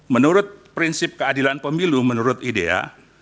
menurut prinsip keadilan pemilu menurut idea